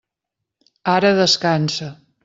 Ara descansa.